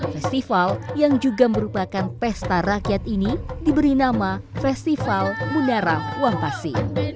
festival yang juga merupakan pesta rakyat ini diberi nama festival munara wampasi